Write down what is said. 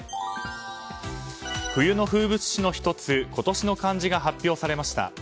冬の風物詩の１つ今年の漢字が発表されました。